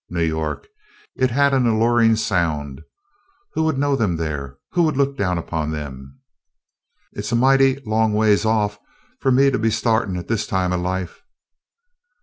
New York. It had an alluring sound. Who would know them there? Who would look down upon them? "It 's a mighty long ways off fu' me to be sta'tin' at dis time o' life."